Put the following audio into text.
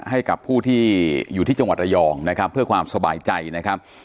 ให้กับผู้ที่อยู่ที่จังหวัดระยองนะครับเพื่อความสบายใจนะครับ